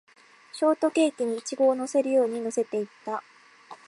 ショートケーキにイチゴを乗せるように乗せていった